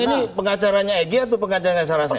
abang ini pengacaranya egy atau pengacaranya saracen